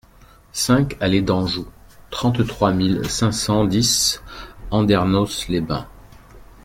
cinq allée d'Anjou, trente-trois mille cinq cent dix Andernos-les-Bains